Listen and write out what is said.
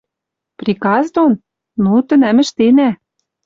«Приказ дон? Ну, тӹнӓм ӹштенӓ.